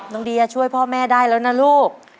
เดียช่วยพ่อแม่ได้แล้วนะลูก